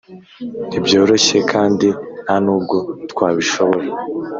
nti byoroshye kandi nta nubwo twabishobora